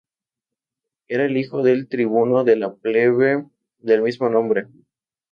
Era hijo del tribuno de la plebe del mismo nombre.